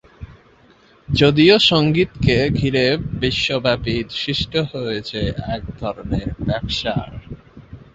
যদিও সঙ্গীতকে ঘিরে বিশ্বব্যাপী সৃষ্ট হয়েছে এক ধরনের ব্যবসার।